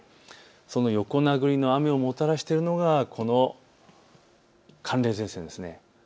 その横殴りの雨をもたらしているのがこの寒冷前線です。